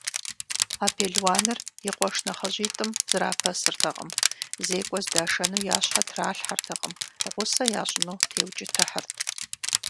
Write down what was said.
А пелуаныр и къуэш нэхъыжьитӏым зэрапэсыртэкъым: зекӏуэ здашэну я щхьэ тралъхьэртэкъым, гъусэ ящӏыну теукӏытыхьырт.